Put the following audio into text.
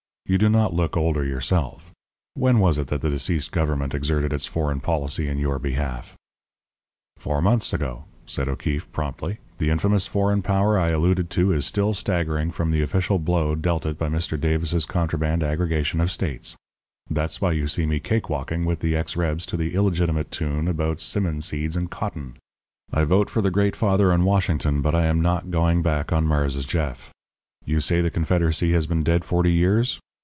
You do not look older yourself. When was it that the deceased government exerted its foreign policy in your behalf?" "Four months ago," said O'Keefe, promptly. "The infamous foreign power I alluded to is still staggering from the official blow dealt it by Mr. Davis's contraband aggregation of states. That's why you see me cake walking with the ex rebs to the illegitimate tune about 'simmon seeds and cotton. I vote for the Great Father in Washington, but I am not going back on Mars' Jeff. You say the Confederacy has been dead forty years?